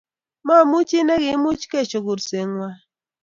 Momichi nekiimuch kesho kursengwai